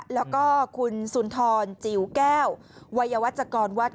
แล้วก็คุณสุนทรจิ๋วแก้ววัยวัชกรวัด